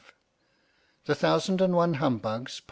THE THOUSAND AND ONE HUMBUGS.